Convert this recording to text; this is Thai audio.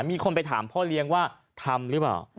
มีคนไปถามพ่อเลี้ยงว่าทำหรือเปล่า